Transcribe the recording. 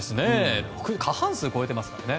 過半数を超えていますからね。